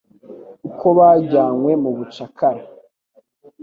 Uko bajyanywe mu bucakara